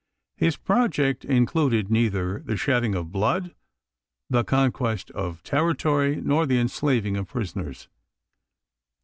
His project included neither the shedding of blood, the conquest of territory, nor the enslaving of prisoners.